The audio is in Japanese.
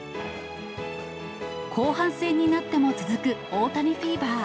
後半戦になっても続く大谷フィーバー。